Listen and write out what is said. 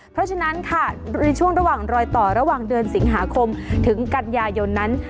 เพราะฉะนั้นค่ะในช่วงระหว่างรอยต่อระหว่างเดือนสิงหาคมถึงกันยายนนั้น